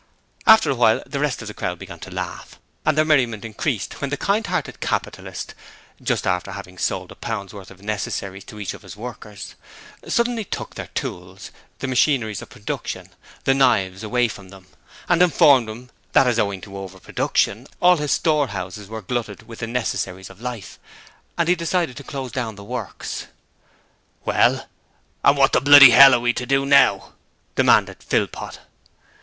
After a while the rest of the crowd began to laugh, and their merriment increased when the kind hearted capitalist, just after having sold a pound's worth of necessaries to each of his workers, suddenly took their tools the Machinery of Production the knives away from them, and informed them that as owing to Over Production all his store houses were glutted with the necessaries of life, he had decided to close down the works. 'Well, and wot the bloody 'ell are we to do now?' demanded Philpot.